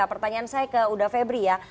pertanyaan saya ke uda febri ya